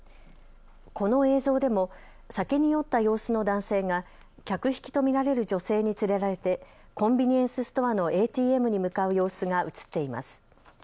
この映像でも酒に酔った様子の男性が客引きと見られる女性に連れられてコンビニエンスストアのＡＴＭに向かう様子が写っています。